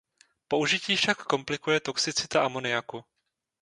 Použití však komplikuje toxicita amoniaku.